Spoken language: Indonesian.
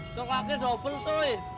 sekakin dobel coy